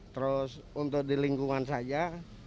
terus untuk di lingkungan saja